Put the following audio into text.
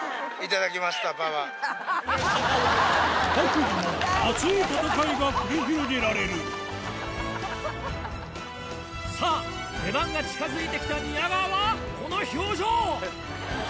頂きました、パワー。の熱い戦いが繰り広げられさあ、出番が近づいてきた宮川は、この表情。